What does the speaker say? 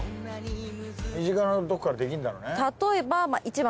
身近なとこからできんだろうね。